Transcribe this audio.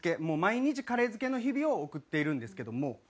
もう毎日カレー漬けの日々を送っているんですけども。